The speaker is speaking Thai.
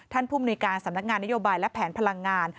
ท่านผู้บุญการสำนักงานนโยบัยและแผนพลังงาน